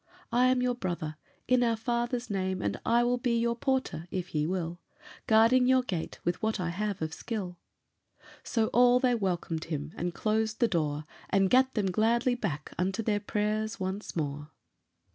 I am your Brother, in our Father's name, And I will be your porter, if ye will, Guarding your gate with what I have of skill". So all they welcomed him and closed the door, And gat them gladly back unto their prayers once more.